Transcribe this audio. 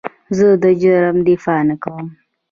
زه د جرم دفاع نه کوم.